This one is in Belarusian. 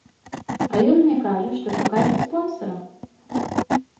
А ён мне кажа, што шукайце спонсара.